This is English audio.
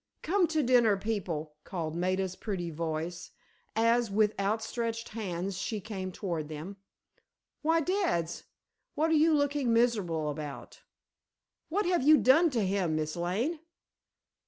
"Come to dinner, people," called Maida's pretty voice, as, with outstretched hands she came toward them. "Why, dads, what are you looking miserable about? What have you done to him, Miss Lane?"